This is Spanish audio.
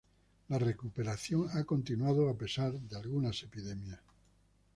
La recuperación ha continuado a pesar de algunas epidemias.